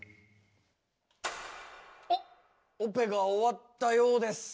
あっオペが終わったようです。